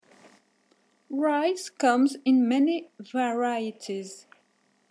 Rice comes in many varieties.